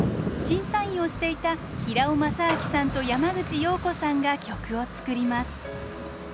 審査員をしていた平尾昌晃さんと山口洋子さんが曲を作ります。